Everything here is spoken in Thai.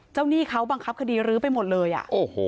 หนี้เขาบังคับคดีรื้อไปหมดเลยอ่ะโอ้โห